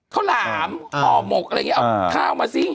หลามห่อหมกอะไรอย่างนี้เอาข้าวมาซิ